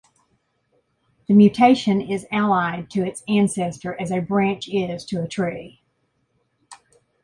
The mutation is allied to its ancestor as a branch is to a tree.